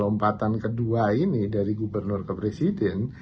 lompatan kedua ini dari gubernur ke presiden